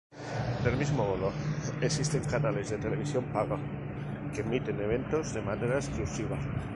Del mismo modo, existen canales de televisión paga, que emiten eventos de manera exclusiva.